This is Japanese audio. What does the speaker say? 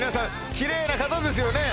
きれいな方ですよね